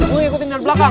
gue ikutin dari belakang